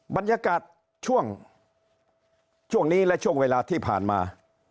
บรรยากาศช่วงนี้และช่วงเวลาที่ผ่านมา